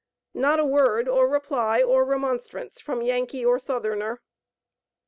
Not a word, or reply, or remonstrance from Yankee or Southerner.